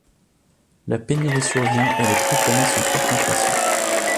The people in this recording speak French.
La pénurie survient et les prix connaissent une forte inflation.